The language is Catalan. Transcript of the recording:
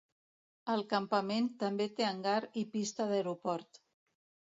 El campament també té hangar i pista d'aeroport.